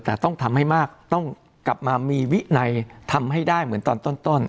แต่ต้องทำให้มากต้องกลับมามีวินัยทำให้ได้เหมือนตอนต้น